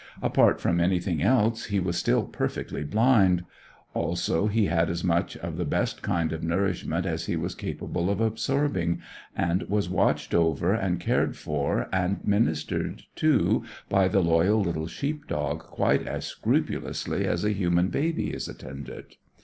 Apart from anything else, he was still perfectly blind; also, he had as much of the best kind of nourishment as he was capable of absorbing, and was watched over, and cared for, and ministered to by the loyal little sheep dog quite as scrupulously as a human baby is tended.